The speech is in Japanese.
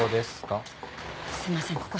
すいません